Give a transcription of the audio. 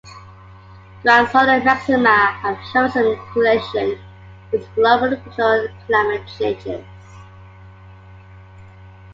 Grand solar maxima have shown some correlation with global and regional climate changes.